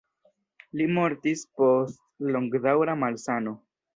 Li mortis post longdaŭra malsano.